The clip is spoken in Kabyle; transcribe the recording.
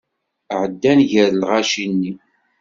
Ɛeddan gar lɣaci-nni.